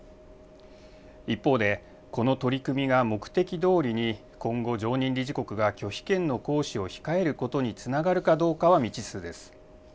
一方で、この取り組みが目的どおりに今後、常任理事国が拒否権の行使を控えることにつながるかどうかは未知数です。